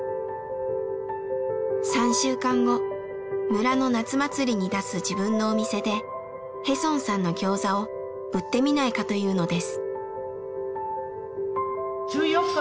３週間後村の夏祭りに出す自分のお店でヘソンさんのギョーザを売ってみないかというのです。